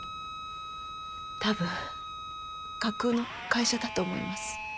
多分架空の会社だと思います。